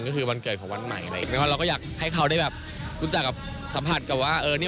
ก็คือวันเกิดของวันใหม่อะไรอย่างนี้